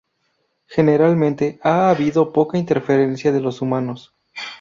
Generalmente ha habido poca interferencia de los humanos.